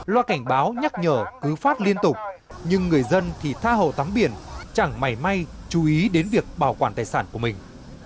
loa cảnh báo nhắc nhở cứ phát liên tục nhưng người dân thì tha hồ tắm biển chẳng mảy may chú ý đến việc bảo quản tài sản của mình